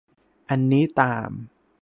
อันนี้ตาม